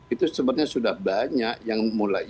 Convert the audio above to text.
itu sebenarnya sudah banyak yang mulai